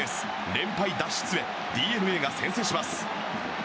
連敗脱出へＤｅＮＡが先制します。